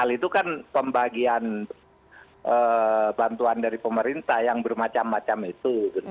hal itu kan pembagian bantuan dari pemerintah yang bermacam macam itu